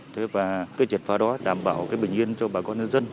thế và cái triệt phá đó đảm bảo cái bình yên cho bà con nhân dân